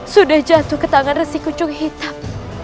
sudah jatuh ke tangan resi kucung hitam